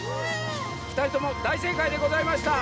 ふたりともだいせいかいでございました。